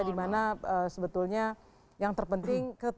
dimana sebetulnya yang terpenting